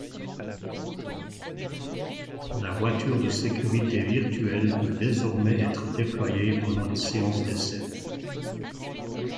La voiture de sécurité virtuelle peut désormais être déployée pendant les séances d'essai.